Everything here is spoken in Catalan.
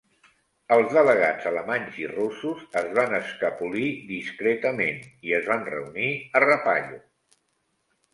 Els delegats alemanys i russos es van escapoli discretament i es van reunir a Rapallo.